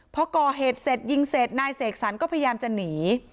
พอก่อเหตุเสร็จยิงเสร็จนายเสกสรรก็พยายามจะหนี